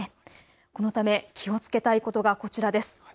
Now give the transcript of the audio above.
このため、気をつけたいことがこちらです。